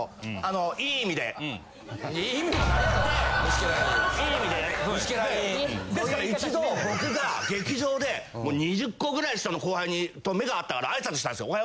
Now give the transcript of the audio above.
・良い意味でね・ですから一度僕が劇場で２０個ぐらい下の後輩と目が合ったから挨拶したんですよ。